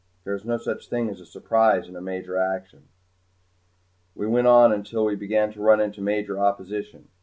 There is no such thing as surprise in a major action. We went on until we began to run into major opposition.